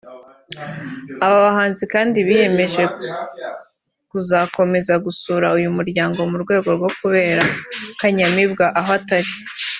Aba bahanzi kandi biyemeje kuzakomeza gusura uyu muryango mu rwego rwo kubera Kanyamibwa aho atari